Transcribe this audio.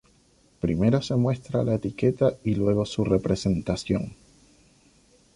Primero se muestra la etiqueta y luego su representación.